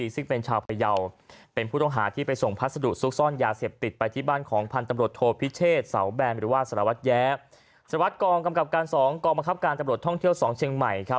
สถาบัติกรรมกรรมกรับการ๒กรรมกรับการจำลดท่องเที่ยว๒เชียงใหม่